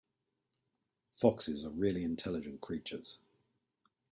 Foxes are really intelligent creatures.